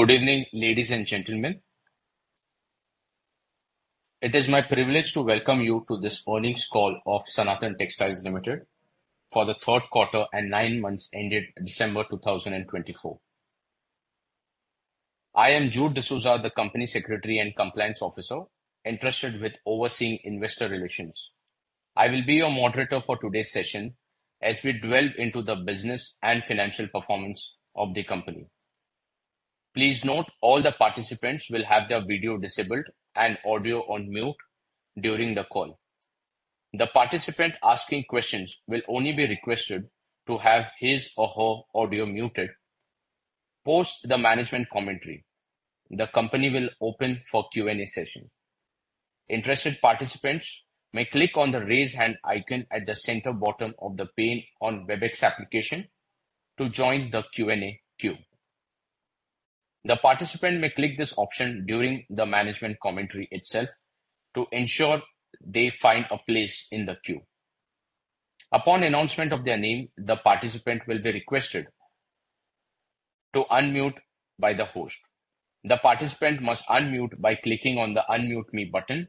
Good evening, ladies and gentlemen. It is my privilege to welcome you to this morning's call of Sanathan Textiles Limited for the third quarter and nine months ended December 2024. I am Jude D'Souza, the Company Secretary and Compliance Officer, interested in overseeing Investor Relations. I will be your moderator for today's session as we delve into the business and financial performance of the company. Please note all the participants will have their video disabled and audio on mute during the call. The participant asking questions will only be requested to have his or her audio muted. Post the management commentary, the company will open for a Q&A session. Interested participants may click on the raise hand icon at the center bottom of the pane on the Webex application to join the Q&A queue. The participant may click this option during the management commentary itself to ensure they find a place in the queue. Upon announcement of their name, the participant will be requested to unmute by the host. The participant must unmute by clicking on the Unmute Me button.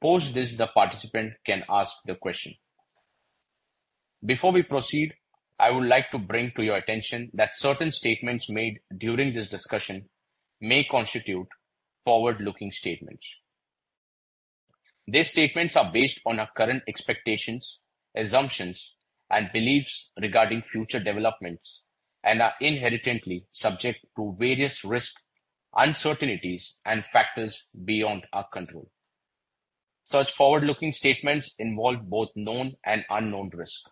Post this, the participant can ask the question. Before we proceed, I would like to bring to your attention that certain statements made during this discussion may constitute forward-looking statements. These statements are based on our current expectations, assumptions, and beliefs regarding future developments and are inherently subject to various risks, uncertainties, and factors beyond our control. Such forward-looking statements involve both known and unknown risks,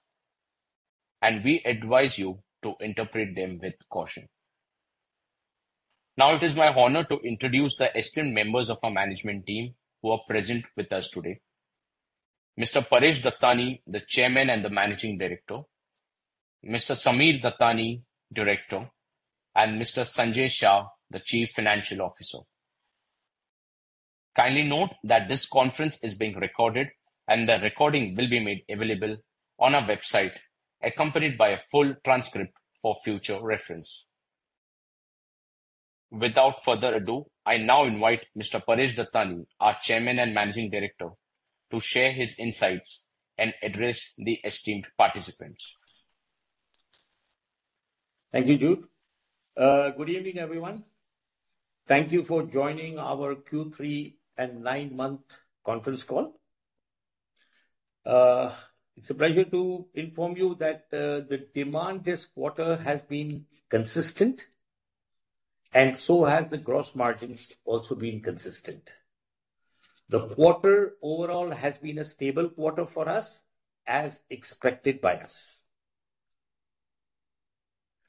and we advise you to interpret them with caution. Now, it is my honor to introduce the esteemed members of our management team who are present with us today: Mr. Paresh Dattani, the Chairman and Managing Director; Mr. Sammir Dattani, Director; and Mr. Sanjay Shah, the Chief Financial Officer. Kindly note that this conference is being recorded, and the recording will be made available on our website, accompanied by a full transcript for future reference. Without further ado, I now invite Mr. Paresh Dattani, our Chairman and Managing Director, to share his insights and address the esteemed participants. Thank you, Jude. Good evening, everyone. Thank you for joining our Q3 and nine-month conference call. It's a pleasure to inform you that the demand this quarter has been consistent, and so have the gross margins also been consistent. The quarter overall has been a stable quarter for us, as expected by us.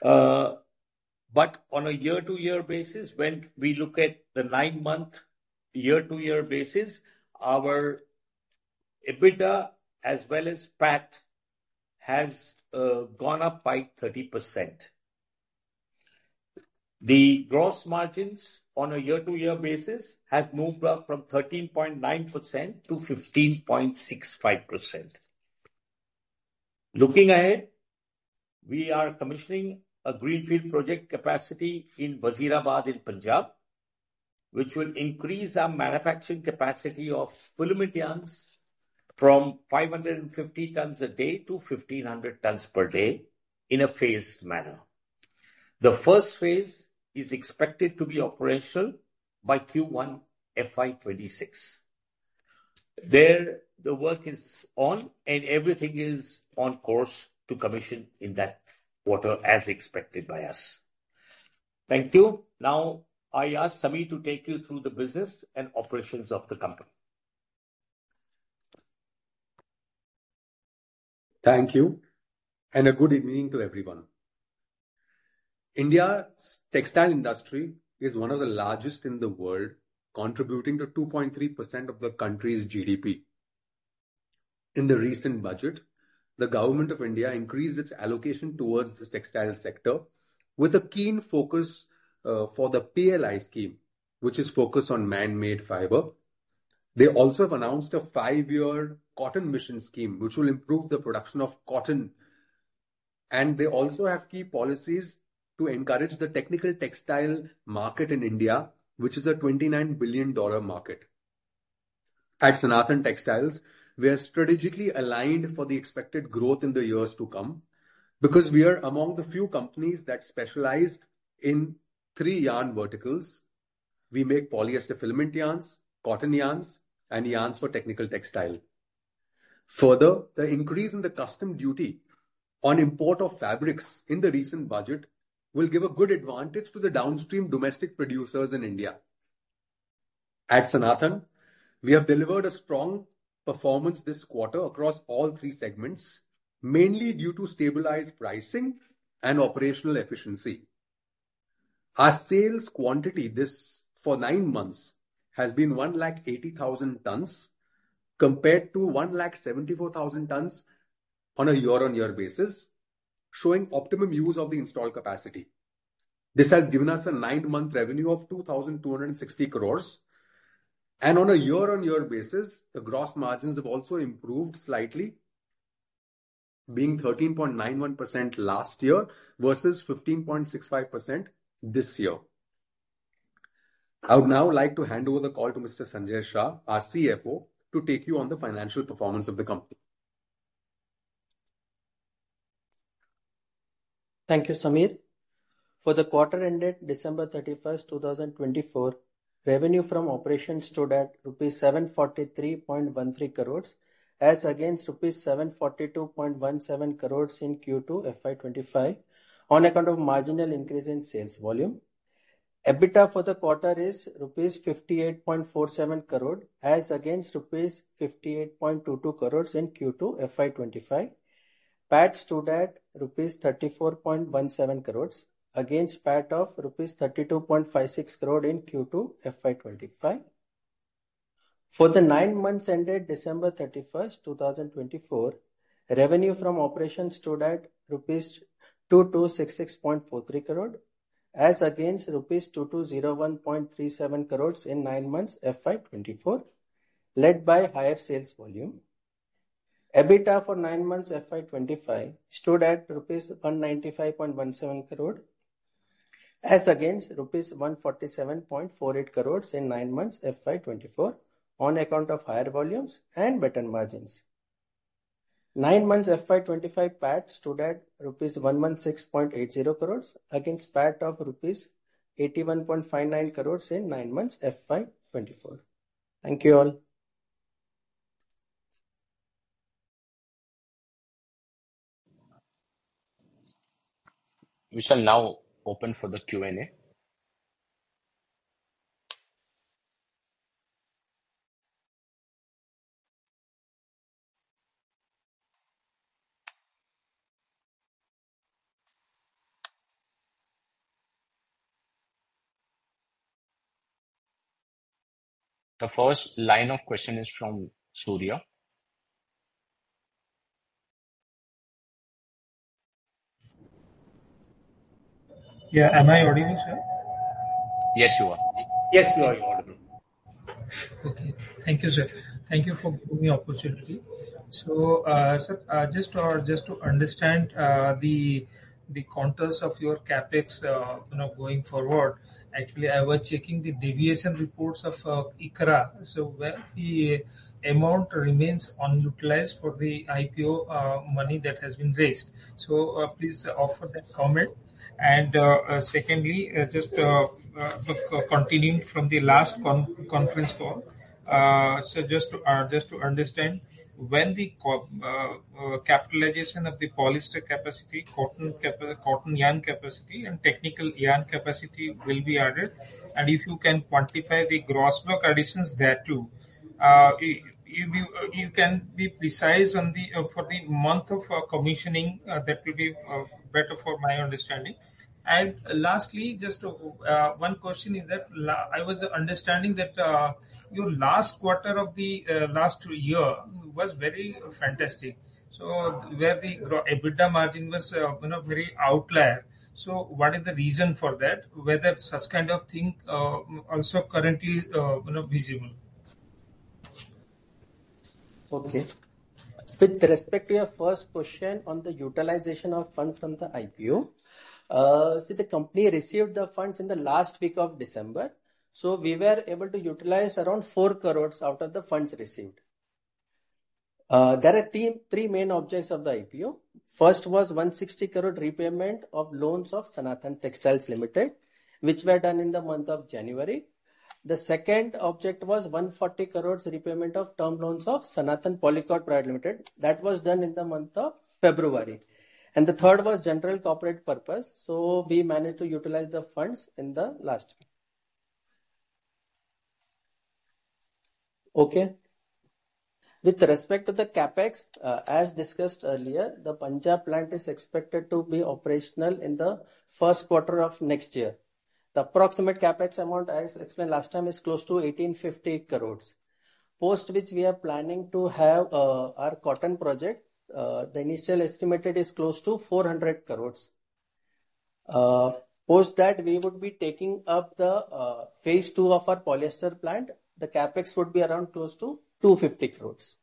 But on a year-to-year basis, when we look at the nine-month year-to-year basis, our EBITDA, as well as PAT, has gone up by 30%. The gross margins on a year-to-year basis have moved up from 13.9% to 15.65%. Looking ahead, we are commissioning a greenfield project capacity in Wazirabad, in Punjab, which will increase our manufacturing capacity of filament yarn from 550 tons a day to 1,500 tons per day in a phased manner. The first phase is expected to be operational by Q1 FY 2026. There, the work is on, and everything is on course to commission in that quarter, as expected by us. Thank you. Now, I ask Sammir to take you through the business and operations of the company. Thank you, and a good evening to everyone. India's textile industry is one of the largest in the world, contributing to 2.3% of the country's GDP. In the recent budget, the Government of India increased its allocation towards the textile sector with a keen focus for the PLI Scheme, which is focused on man-made fiber. They also have announced a five-year Cotton Mission scheme, which will improve the production of cotton. And they also have key policies to encourage the technical textiles market in India, which is a $29 billion market. At Sanathan Textiles, we are strategically aligned for the expected growth in the years to come because we are among the few companies that specialize in three yarn verticals. We make polyester filament yarns, cotton yarns, and yarns for technical textiles. Further, the increase in the customs duty on import of fabrics in the recent budget will give a good advantage to the downstream domestic producers in India. At Sanathan, we have delivered a strong performance this quarter across all three segments, mainly due to stabilized pricing and operational efficiency. Our sales quantity for nine months has been 180,000 tons, compared to 174,000 tons on a year-on-year basis, showing optimum use of the installed capacity. This has given us a nine-month revenue of 2,260 crores. And on a year-on-year basis, the gross margins have also improved slightly, being 13.91% last year versus 15.65% this year. I would now like to hand over the call to Mr. Sanjay Shah, our CFO, to take you on the financial performance of the company. Thank you, Sammir. For the quarter ended December 31st, 2024, revenue from operations stood at rupees 743.13 crores, as against rupees 742.17 crores in Q2 FY 2025, on account of marginal increase in sales volume. EBITDA for the quarter is rupees 58.47 crores, as against rupees 58.22 crores in Q2 FY 2025. PAT stood at rupees 34.17 crores, against PAT of rupees 32.56 crores in Q2 FY 2025. For the nine months ended December 31st, 2024, revenue from operations stood at rupees 2266.43 crores, as against rupees 2201.37 crores in nine months FY 2024, led by higher sales volume. EBITDA for nine months FY 2025 stood at rupees 195.17 crores, as against rupees 147.48 crores in nine months FY 2024, on account of higher volumes and better margins. Nine months FY 2025 PAT stood at INR 116.80 crores, against PAT of INR 81.59 crores in nine months FY 2024. Thank you all. We shall now open for the Q&A. The first line of question is from Surya. Yeah, am I audible, sir? Yes, you are. Yes, you are audible. Okay. Thank you, sir. Thank you for giving me the opportunity. So, sir, just to understand the contours of your CapEx going forward, actually, I was checking the deviation reports of ICRA. So the amount remains unutilized for the IPO money that has been raised. So please offer that comment. And secondly, just continuing from the last conference call, sir, just to understand, when the capitalization of the polyester capacity, cotton yarn capacity, and technical yarn capacity will be added, and if you can quantify the gross block additions there too, you can be precise for the month of commissioning. That will be better for my understanding. And lastly, just one question is that I was understanding that your last quarter of the last year was very fantastic, where the EBITDA margin was very outlier. So what is the reason for that? Whether such kind of thing also currently visible? Okay. With respect to your first question on the utilization of funds from the IPO, see, the company received the funds in the last week of December. So we were able to utilize around 4 crores out of the funds received. There are three main objects of the IPO. First was 160 crore repayment of loans of Sanathan Textiles Limited, which were done in the month of January. The second object was 140 crores repayment of term loans of Sanathan Polycot Private Limited. That was done in the month of February. And the third was general corporate purpose. So we managed to utilize the funds in the last week. Okay. With respect to the CapEx, as discussed earlier, the Punjab plant is expected to be operational in the first quarter of next year. The approximate CapEx amount, as explained last time, is close to 1858 crores. Post which we are planning to have our cotton project, the initial estimate is close to 400 crores. Post that, we would be taking up the phase two of our polyester plant. The CapEx would be around close to 250 crores.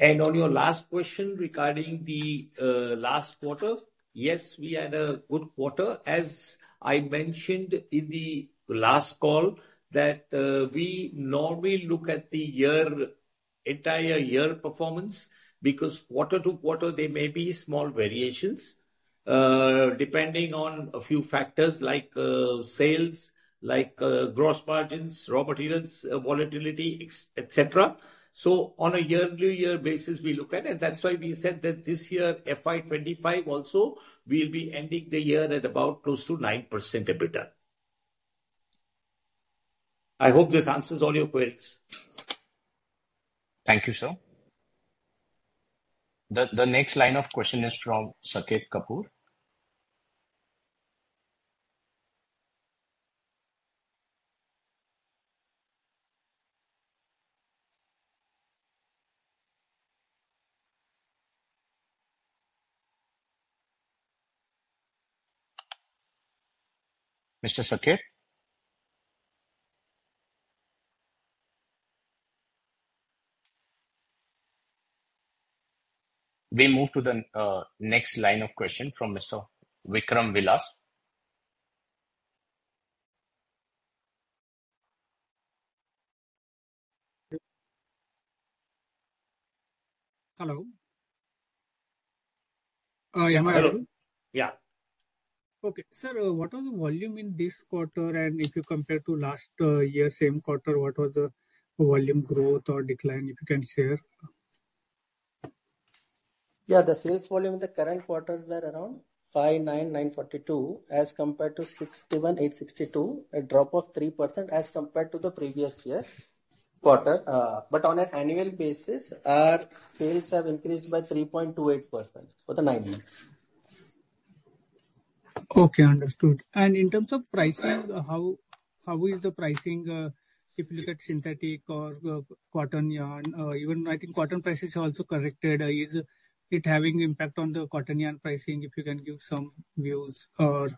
On your last question regarding the last quarter, yes, we had a good quarter. As I mentioned in the last call, that we normally look at the entire year performance because quarter to quarter, there may be small variations depending on a few factors like sales, like gross margins, raw materials volatility, etc. On a year-on-year basis, we look at it. That's why we said that this year, FY 2025 also, we'll be ending the year at about close to 9% EBITDA. I hope this answers all your queries. Thank you, sir. The next line of question is from Saket Kapoor. Mr. Saket, we move to the next line of question from Mr. Vikram Vilas. Hello. Hello. Yeah. Okay. Sir, what was the volume in this quarter? And if you compare to last year's same quarter, what was the volume growth or decline, if you can share? Yeah, the sales volume in the current quarter was around 59,942, as compared to 61,862, a drop of 3% as compared to the previous year's quarter, but on an annual basis, our sales have increased by 3.28% for the nine months. Okay, understood. And in terms of pricing, how is the pricing, if you look at synthetic or cotton yarn? Even I think cotton prices have also corrected. Is it having impact on the cotton yarn pricing, if you can give some views, or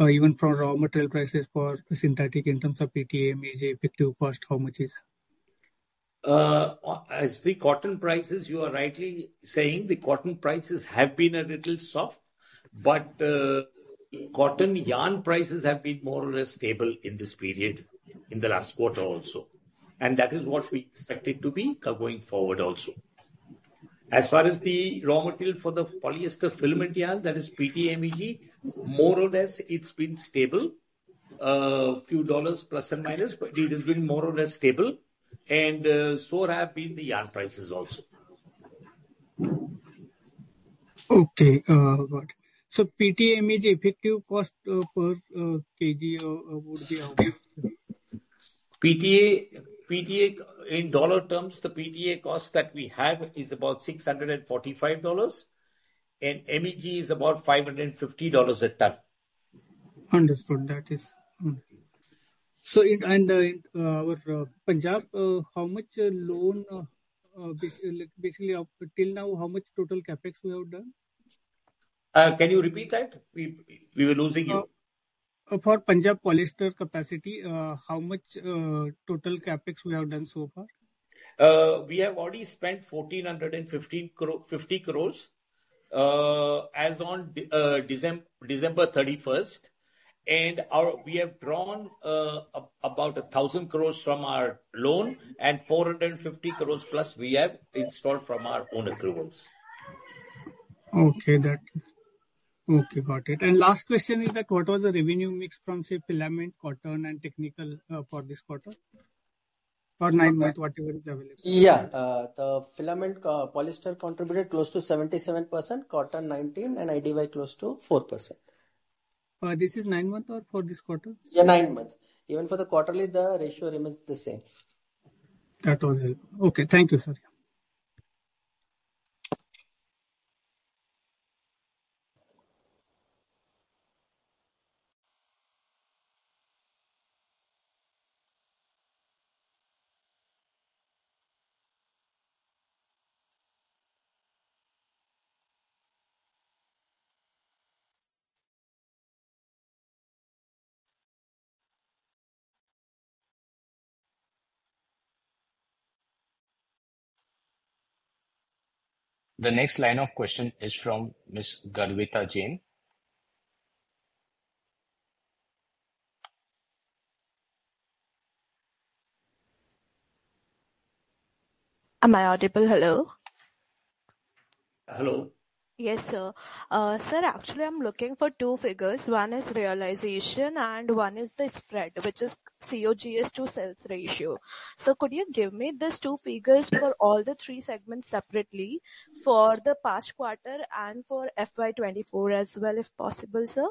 even from raw material prices for synthetic in terms of PTA, MEG, effective cost, how much is? As the cotton prices, you are rightly saying, the cotton prices have been a little soft, but cotton yarn prices have been more or less stable in this period, in the last quarter also. And that is what we expected to be going forward also. As far as the raw material for the polyester filament yarn, that is PTA, MEG, more or less, it's been stable, a few dollars plus and minus, but it has been more or less stable. And so have been the yarn prices also. Okay. So PTA, MEG, effective cost per kg would be how? PTA, in dollar terms, the PTA cost that we have is about $645, and MEG is about $550 a ton. Understood. That is. So in our Punjab, how much loan, basically, till now, how much total CapEx we have done? Can you repeat that? We were losing you. For Punjab polyester capacity, how much total CapEx we have done so far? We have already spent 1,450 crores as on December 31st, and we have drawn about 1,000 crores from our loan and 450 crores plus we have installed from our own accruals. Okay. Okay, got it. And last question is that what was the revenue mix from, say, filament, cotton, and technical for this quarter or nine months, whatever is available? Yeah. The filament polyester contributed close to 77%, cotton 19%, and IDY close to 4%. This is nine months or for this quarter? Yeah, nine months. Even for the quarterly, the ratio remains the same. That was helpful. Okay. Thank you, sir. The next line of question is from Ms. Garvita Jain. Am I audible? Hello. Hello. Yes, sir. Sir, actually, I'm looking for two figures. One is realization and one is the spread, which is COGS to sales ratio. So could you give me these two figures for all the three segments separately for the past quarter and for FY 2024 as well, if possible, sir?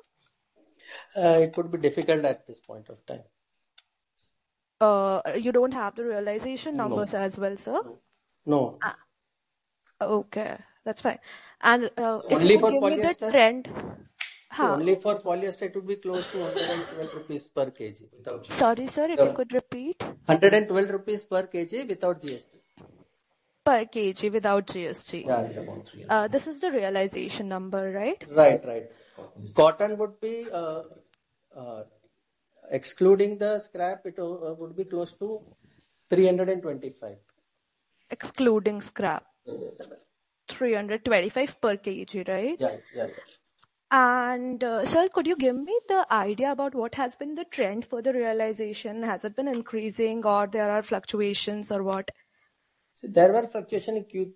It would be difficult at this point of time. You don't have the realization numbers as well, sir? No. Okay. That's fine. And if you need a trend. Only for polyester, it would be close to 112 rupees per kg. Sorry, sir, if you could repeat? 112 rupees per kg without GST. Per kg without GST. This is the realization number, right? Right, right. Cotton would be, excluding the scrap, it would be close to 325. Excluding scrap, 325 per kg, right? Yeah, yeah. Sir, could you give me the idea about what has been the trend for the realization? Has it been increasing or there are fluctuations or what? There were fluctuations in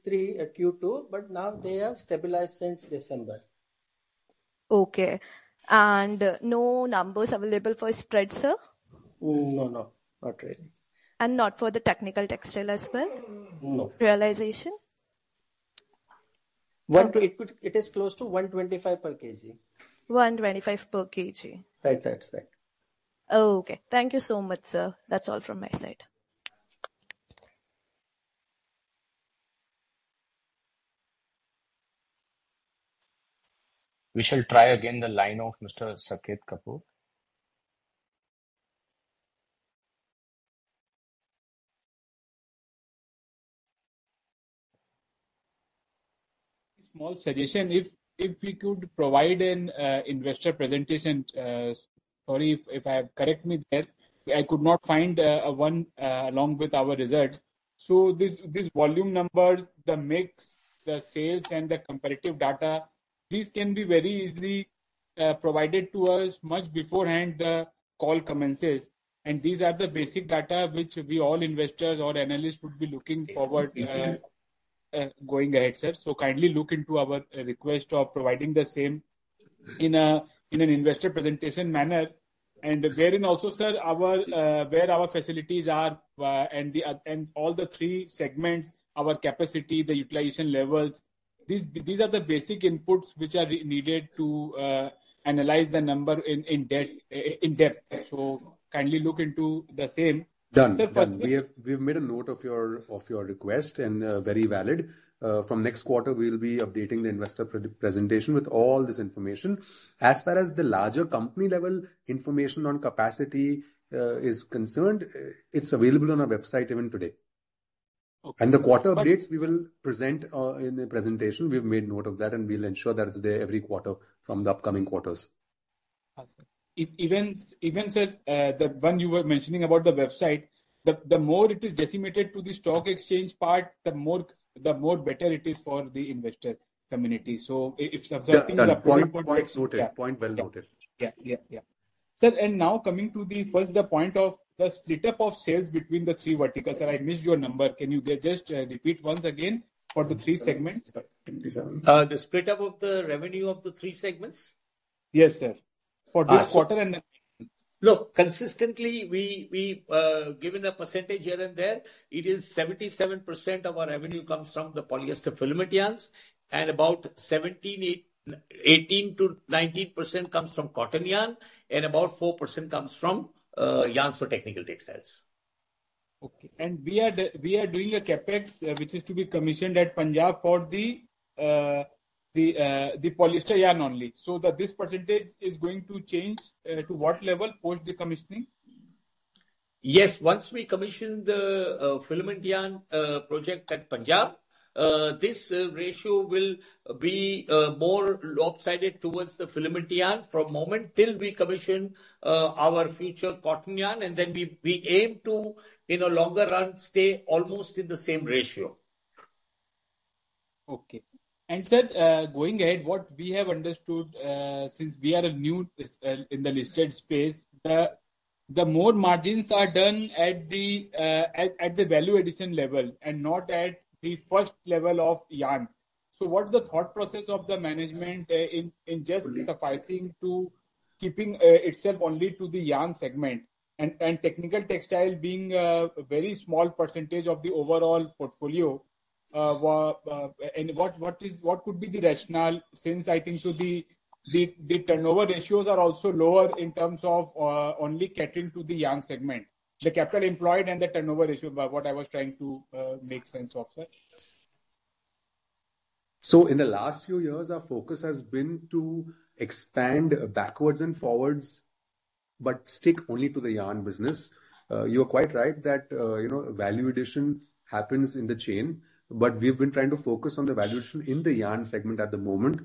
Q2, but now they have stabilized since December. Okay, and no numbers available for spread, sir? No, no. Not really. Not for the technical textiles as well? No. Realization? It is close to 125 per kg. 125 per kg. Right. That's right. Okay. Thank you so much, sir. That's all from my side. We shall try again the line of Mr. Saket Kapoor. Small suggestion, if we could provide an investor presentation. Sorry if I have corrected me there. I could not find one along with our results, so these volume numbers, the mix, the sales, and the comparative data, these can be very easily provided to us much beforehand the call commences, and these are the basic data which we all investors or analysts would be looking forward to going ahead, sir, so kindly look into our request of providing the same in an investor presentation manner, and wherein also, sir, where our facilities are and all the three segments, our capacity, the utilization levels, these are the basic inputs which are needed to analyze the number in depth, so kindly look into the same. Done. We have made a note of your request and very valid. From next quarter, we'll be updating the investor presentation with all this information. As far as the larger company-level information on capacity is concerned, it's available on our website even today, and the quarter updates, we will present in the presentation. We've made note of that, and we'll ensure that it's there every quarter from the upcoming quarters. Even, sir, the one you were mentioning about the website, the more it is disseminated to the stock exchange part, the more better it is for the investor community. So if some things are point. Point well noted. Yeah, yeah, yeah. Sir, and now coming to the first, the point of the split-up of sales between the three verticals. I missed your number. Can you just repeat once again for the three segments? The split-up of the revenue of the three segments? Yes, sir. For this quarter and. Look, consistently, given the percentage here and there, it is 77% of our revenue comes from the polyester filament yarns, and about 18%-19% comes from cotton yarn, and about 4% comes from yarns for technical textiles. Okay. We are doing a CapEx, which is to be commissioned at Punjab for the polyester yarn only. This percentage is going to change to what level post the commissioning? Yes. Once we commission the filament yarn project at Punjab, this ratio will be more lopsided towards the filament yarn from the moment till we commission our future cotton yarn. Then we aim to, in a longer run, stay almost in the same ratio. Okay. Sir, going ahead, what we have understood since we are new in the listed space, the more margins are done at the value addition level and not at the first level of yarn. So what's the thought process of the management in just sufficing to keeping itself only to the yarn segment and technical textiles being a very small percentage of the overall portfolio? And what could be the rationale since, I think, the turnover ratios are also lower in terms of only catering to the yarn segment, the capital employed and the turnover ratio, what I was trying to make sense of, sir? In the last few years, our focus has been to expand backwards and forwards, but stick only to the yarn business. You are quite right that value addition happens in the chain, but we have been trying to focus on the value addition in the yarn segment at the moment.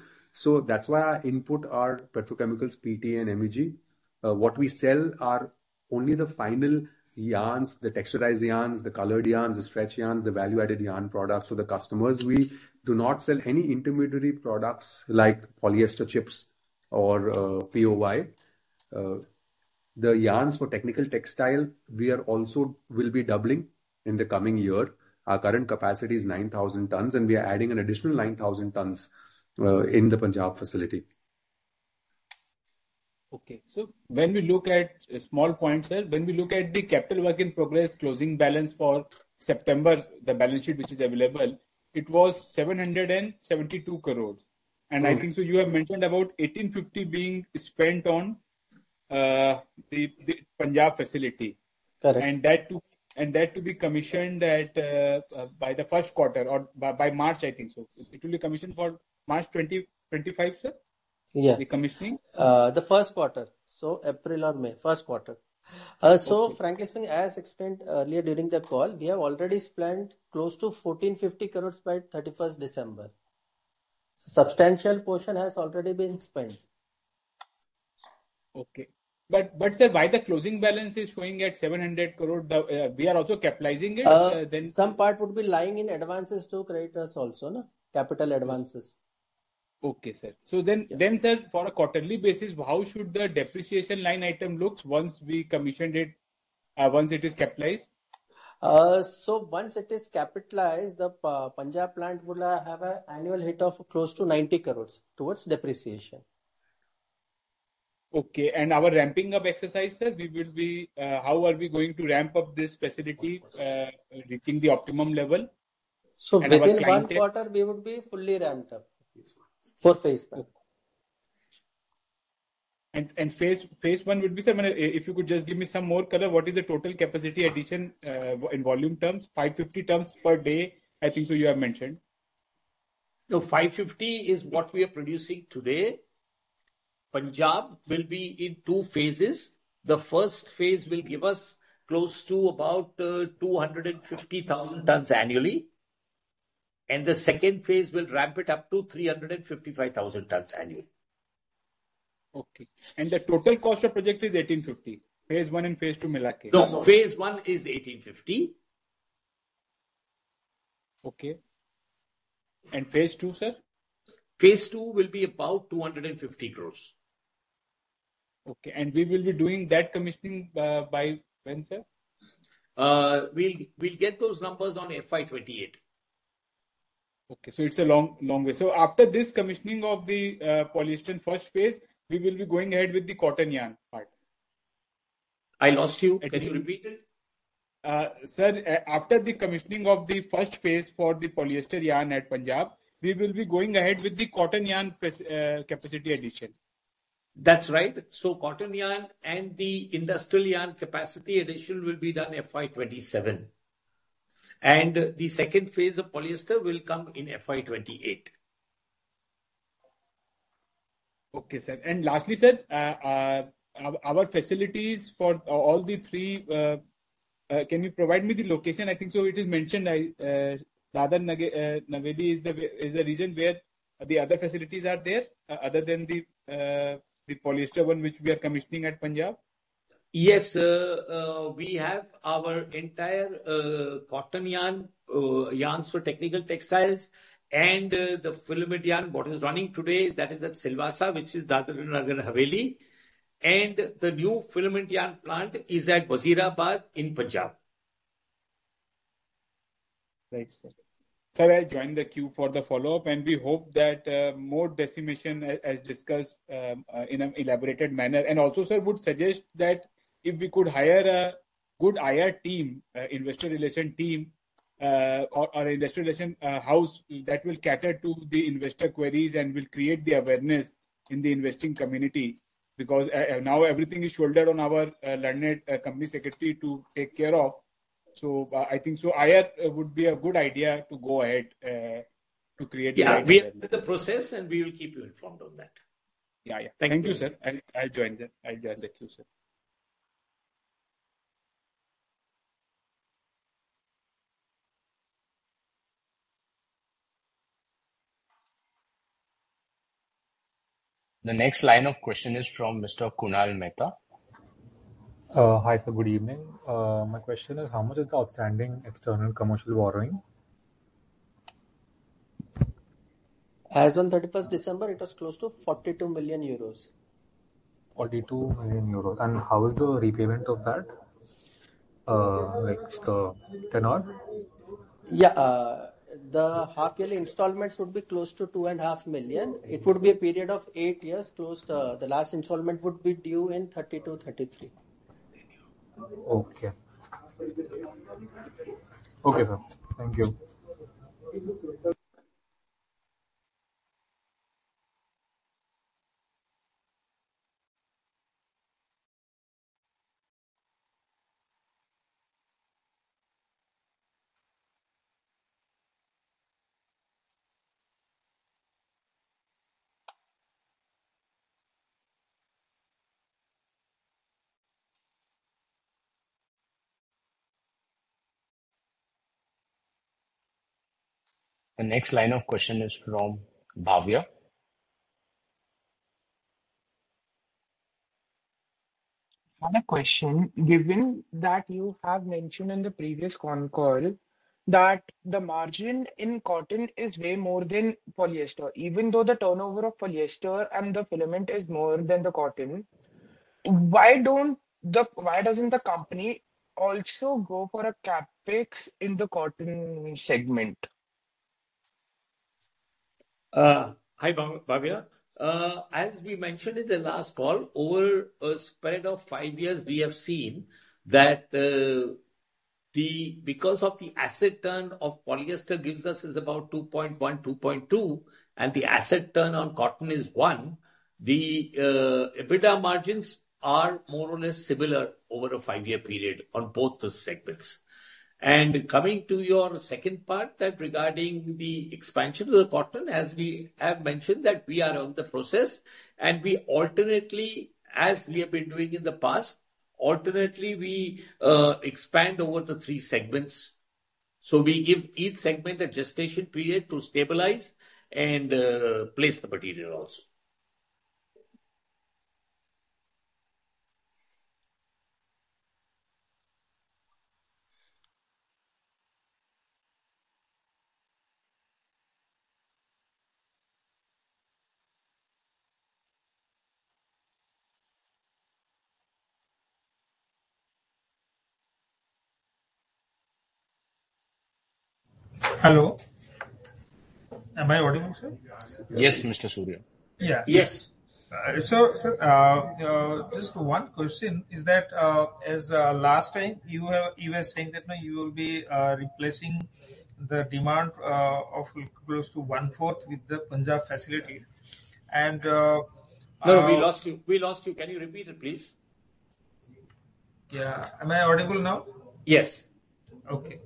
That's why our input are petrochemicals, PTA, and MEG. What we sell are only the final yarns, the textured yarns, the colored yarns, the stretch yarns, the value-added yarn products for the customers. We do not sell any intermediary products like polyester chips or POY. The yarns for technical textiles, we also will be doubling in the coming year. Our current capacity is 9,000 tons, and we are adding an additional 9,000 tons in the Punjab facility. Okay, so when we look at small points, sir, when we look at the capital work in progress, closing balance for September, the balance sheet which is available, it was 772 crores, and I think, sir, you have mentioned about 1,850 being spent on the Punjab facility. Correct. And that to be commissioned by the first quarter or by March, I think. So it will be commissioned for March 2025, sir, the commissioning? The first quarter. So, April or May, first quarter. So, frankly speaking, as explained earlier during the call, we have already spent close to 1,450 crores by 31st December. So, substantial portion has already been spent. Okay. But sir, while the closing balance is showing at 700 crore, we are also capitalizing it? Some part would be lying in advances to creditors also, capital advances. Okay, sir. So then, sir, for a quarterly basis, how should the depreciation line item look once we commissioned it, once it is capitalized? Once it is capitalized, the Punjab plant would have an annual hit of close to 90 crores towards depreciation. Okay and our ramping-up exercise, sir. How are we going to ramp up this facility reaching the optimum level? Within one quarter, we would be fully ramped up for phase one. And phase one would be, sir, if you could just give me some more color, what is the total capacity addition in volume terms, 550 tons per day, I think, sir, you have mentioned? So 550 is what we are producing today. Punjab will be in two phases. The first phase will give us close to about 250,000 tons annually. And the second phase will ramp it up to 355,000 tons annually. Okay. And the total cost of project is 1,850, phase one and phase two mila? No. Phase one is 1,850. Okay. And phase two, sir? Phase two will be about 250 crores. Okay. And we will be doing that commissioning by when, sir? We'll get those numbers on FY 2028. Okay. So it's a long way. So after this commissioning of the polyester first phase, we will be going ahead with the cotton yarn part. I lost you. Can you repeat it? Sir, after the commissioning of the first phase for the polyester yarn at Punjab, we will be going ahead with the cotton yarn capacity addition. That's right. So cotton yarn and the industrial yarn capacity addition will be done FY 2027. And the second phase of polyester will come in FY 2028. Okay, sir. And lastly, sir, our facilities for all the three, can you provide me the location? I think, sir, it is mentioned Dadra and Nagar Haveli is the region where the other facilities are there, other than the polyester one which we are commissioning at Punjab? Yes, sir. We have our entire cotton yarn for technical textiles and the filament yarn. What is running today, that is at Silvassa, which is Dadra and Nagar Haveli, and the new filament yarn plant is at Wazirabad in Punjab. Right, sir. Sir, I'll join the queue for the follow-up, and we hope that more dissemination, as discussed, in an elaborated manner. Also, sir, I would suggest that if we could hire a good IR team, investor relations team, or investor relations house that will cater to the investor queries and will create the awareness in the investing community because now everything is shouldered on our only company secretary to take care of. I think, sir, IR would be a good idea to go ahead to create the. Yeah. We'll get the process, and we will keep you informed on that. Yeah, yeah. Thank you, sir. Thank you, sir. I'll join the queue, sir. The next line of question is from Mr. Kunal Mehta. Hi, sir. Good evening. My question is, how much is the outstanding external commercial borrowing? As on 31st December, it was close to 42 million euros. 42 million euros. And how is the repayment of that? Like 10 or? Yeah. The half-yearly installments would be close to 2.5 million. It would be a period of eight years. The last installment would be due in 2032, 2033. Okay. Okay, sir. Thank you. The next line of question is from Bhavya. My question, given that you have mentioned in the previous con call that the margin in cotton is way more than polyester, even though the turnover of polyester and the filament is more than the cotton, why doesn't the company also go for a CapEx in the cotton segment? Hi, Bhavya. As we mentioned in the last call, over a spread of five years, we have seen that because of the asset turn of polyester gives us is about 2.1, 2.2, and the asset turn on cotton is 1, the EBITDA margins are more or less similar over a five-year period on both those segments. And coming to your second part, that regarding the expansion of the cotton, as we have mentioned that we are in the process, and we alternately, as we have been doing in the past, alternately, we expand over the three segments. So we give each segment a gestation period to stabilize and place the material also. Hello. Am I audible, sir? Yes, Mr. Surya. Yeah. Yes. So, sir, just one question is that as last time, you were saying that you will be replacing the demand of close to one-fourth with the Punjab facility. And. No, we lost you. We lost you. Can you repeat it, please? Yeah. Am I audible now? Yes. Okay.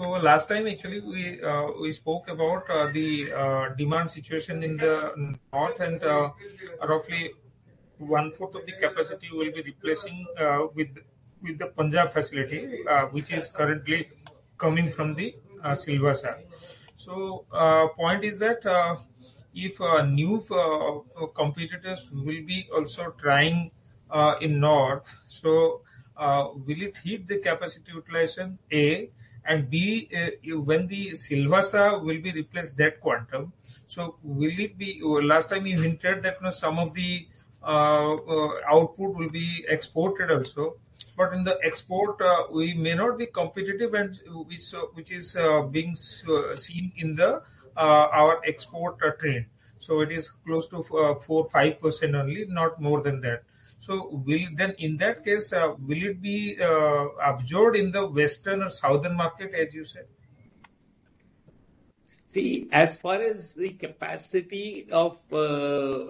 So last time, actually, we spoke about the demand situation in the north, and roughly one-fourth of the capacity will be replacing with the Punjab facility, which is currently coming from the Silvassa. So point is that if new competitors will be also trying in north, so will it hit the capacity utilization? A, and B, when the Silvassa will be replaced, that quantum. So will it be last time you hinted that some of the output will be exported also. But in the export, we may not be competitive, which is being seen in our export trade. So it is close to 4%, 5% only, not more than that. So then in that case, will it be absorbed in the western or southern market, as you said? See, as far as the capacity of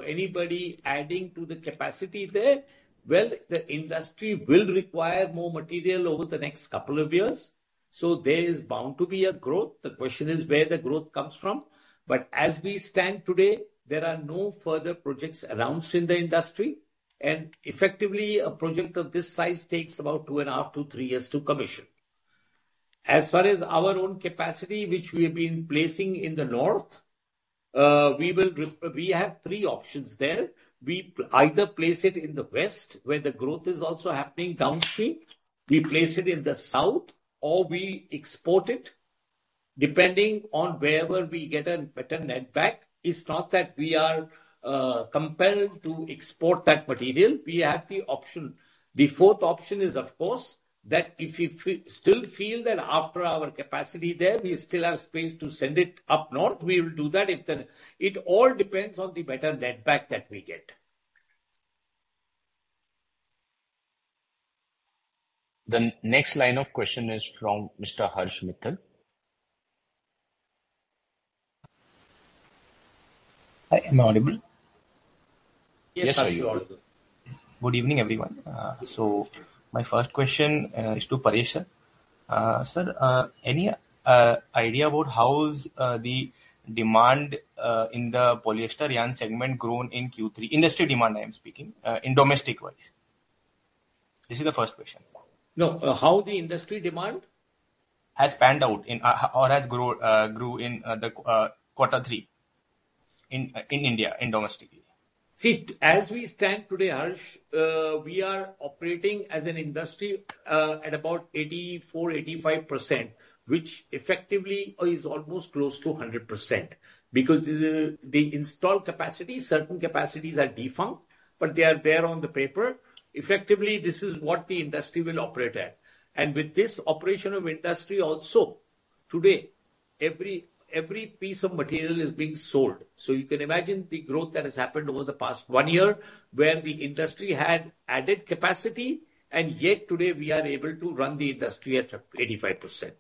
anybody adding to the capacity there, well, the industry will require more material over the next couple of years. So there is bound to be a growth. The question is where the growth comes from. But as we stand today, there are no further projects announced in the industry. And effectively, a project of this size takes about two and a half to three years to commission. As far as our own capacity, which we have been placing in the north, we have three options there. We either place it in the west, where the growth is also happening downstream. We place it in the south, or we export it. Depending on wherever we get a better netback, it's not that we are compelled to export that material. We have the option. The fourth option is, of course, that if we still feel that after our capacity there, we still have space to send it up north, we will do that. It all depends on the better netback that we get. The next line of question is from Mr. Harsh Mittal. Am I audible? Yes, sir. Yes, sir. You are audible. Good evening, everyone. So my first question is to Paresh sir. Sir, any idea about how's the demand in the polyester yarn segment grown in Q3, industry demand, I am speaking, in domestic wise? This is the first question. No. How the industry demand? Has panned out or has grown in the quarter three in India and domestically? See, as we stand today, Harsh, we are operating as an industry at about 84%-85%, which effectively is almost close to 100% because the installed capacity, certain capacities are defunct, but they are there on paper. Effectively, this is what the industry will operate at. And with this operation of industry also, today, every piece of material is being sold. So you can imagine the growth that has happened over the past one year where the industry had added capacity, and yet today we are able to run the industry at 85%.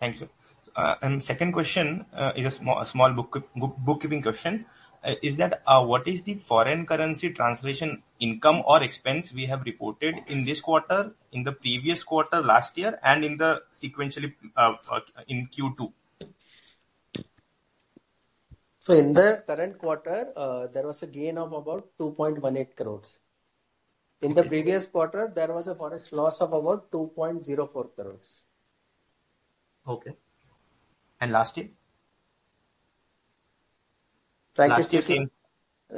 Thank you, sir. And second question is a small bookkeeping question. What is the foreign currency translation income or expense we have reported in this quarter, in the previous quarter, last year, and in the sequentially in Q2? In the current quarter, there was a gain of about 2.18 crores. In the previous quarter, there was a forex loss of about 2.04 crores. Okay. And last year?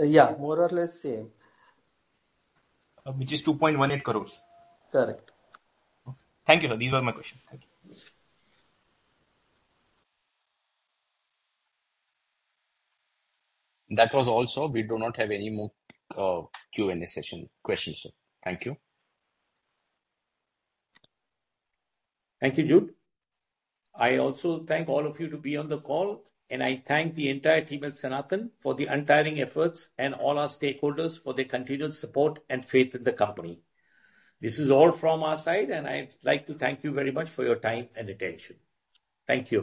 Yeah, more or less same. Which is 2.18 crores? Correct. Thank you, sir. These were my questions. Thank you. That was also, we do not have any more Q&A session questions, sir. Thank you. Thank you, Jude. I also thank all of you to be on the call, and I thank the entire team at Sanathan for the untiring efforts and all our stakeholders for their continued support and faith in the company. This is all from our side, and I'd like to thank you very much for your time and attention. Thank you.